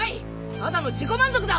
ただの自己満足だ！